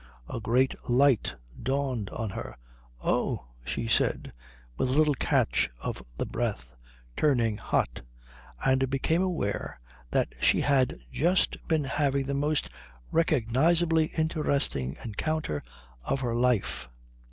A great light dawned on her. "Oh " she said with a little catch of the breath, turning hot; and became aware that she had just been having the most recognisably interesting encounter of her life.